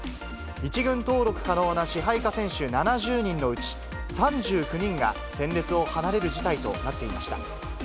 １軍登録可能な支配下選手７０人のうち、３９人が戦列を離れる事態となっていました。